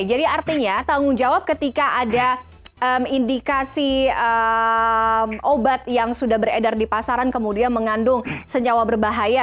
jadi artinya tanggung jawab ketika ada indikasi obat yang sudah beredar di pasaran kemudian mengandung senjawa berbahaya